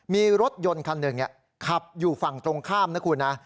มีรถยนต์คันหนึ่งขับอยู่ฝั่งตรงข้ามนะคุณนะ